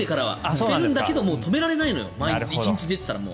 してるんだけどもう止められないのよ１日出ていたら。